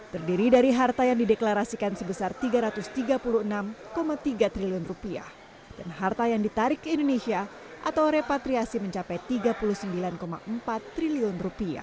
terdiri dari harta yang dideklarasikan sebesar rp tiga ratus tiga puluh enam tiga triliun dan harta yang ditarik ke indonesia atau repatriasi mencapai rp tiga puluh sembilan empat triliun